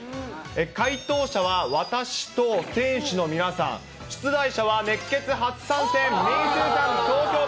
解答者は私と選手の皆さん、出題者は、熱ケツ初参戦、みーすーさん、見学。